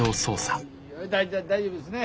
だ大丈夫ですね？